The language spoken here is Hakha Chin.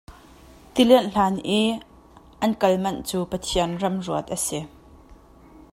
Ti lianh hlan i an kal manh cu Pathian remruat a si.